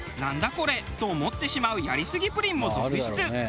これと思ってしまうやりすぎプリンも続出。